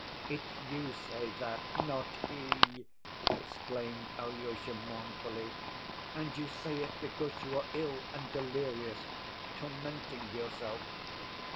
"It's you say that, not he," exclaimed Alyosha mournfully, "and you say it because you are ill and delirious, tormenting yourself."